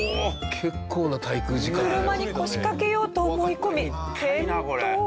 車に腰掛けようと思い込み転倒。